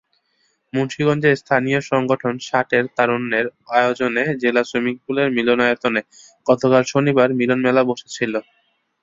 মুন্সিগঞ্জের স্থানীয় সংগঠন ষাটের তারুণ্যের আয়োজনে জেলা সুইমিংপুলের মিলনায়তনে গতকাল শনিবার মিলনমেলা বসেছিল।